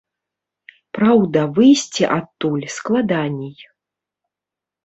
Праўда, выйсці адтуль складаней.